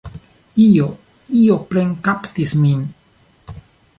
Io, io plenkaptis min.